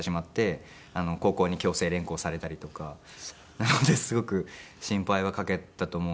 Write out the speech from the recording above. なのですごく心配はかけたと思うんですけど。